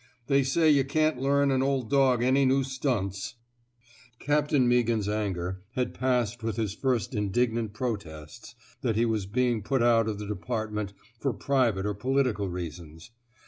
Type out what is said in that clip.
They say yuh can't learn an or dog any new stunts —" Captain Meaghan's anger had passed with his first indignant protests that he was being put out of the department for private or political reasons.